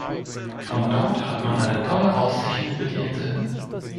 Von dort hat man eine tolle Aussicht über die Insel.